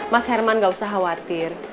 mas herman gak usah khawatir